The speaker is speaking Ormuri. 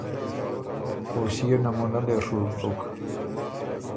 او ݭيې نمونۀ لې ڒُوک بُک۔